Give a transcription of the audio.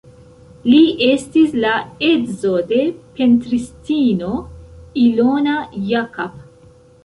Li estis la edzo de pentristino Ilona Jakab.